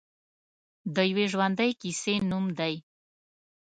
د یوې ژوندۍ کیسې نوم دی.